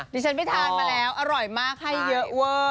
ดิฉันไปทานมาแล้วอร่อยมากให้เยอะเวอร์